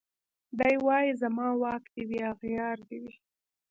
دی وايي زما واک دي وي اغيار دي وي